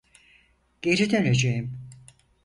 Geri döneceğim.